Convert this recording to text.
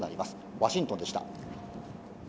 ワシントンでした。